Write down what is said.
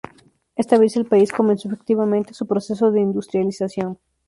Esta vez el país comenzó efectivamente su proceso de industrialización.